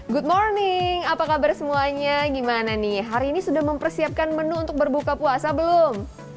good morning apa kabar semuanya gimana nih hari ini sudah mempersiapkan menu untuk berbuka puasa belum